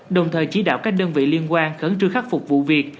đồng thời chỉ đạo các đơn vị liên quan khẩn trương khắc phục vụ việc